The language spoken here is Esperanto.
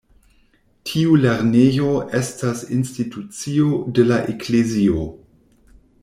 Tiu lernejo estas institucio de la eklezio.